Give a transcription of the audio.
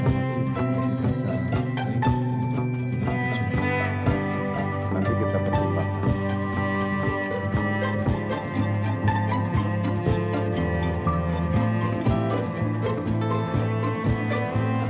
apa alasan dari saudara penonton untuk mencabar